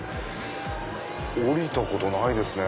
降りたことないですね。